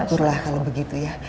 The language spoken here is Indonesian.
syukurlah kalau begitu ya